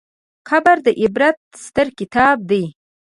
قبر د عبرت ستر کتاب دی.